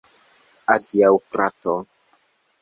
Adiaŭ, frato.